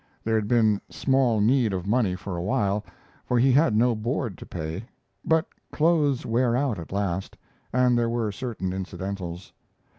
There had been small need of money for a while, for he had no board to pay; but clothes wear out at last, and there were certain incidentals.